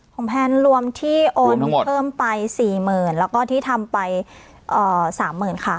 สาวแพ้นรวมที่โอนเพิ่มไปสี่หมื่นแล้วก็ที่ทำไปเอ่อสามหมื่นค่ะ